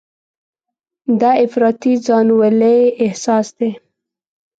دا افراطي ځانولۍ احساس دی.